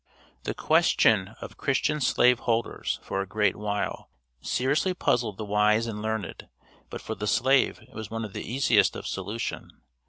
The question of Christian slave holders, for a great while, seriously puzzled the wise and learned, but for the slave it was one of the easiest of solution.